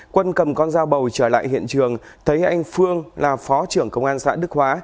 quân cầm con dao bầu trở lại hiện trường thấy anh phương là phó trưởng công an xã đức hóa